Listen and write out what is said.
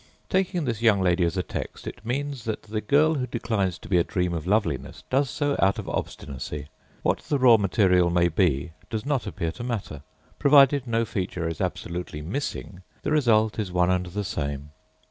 Taking this young lady as a text, it means that the girl who declines to be a dream of loveliness does so out of obstinacy. What the raw material may be does not appear to matter. Provided no feature is absolutely missing, the result is one and the same.